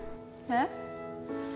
えっ？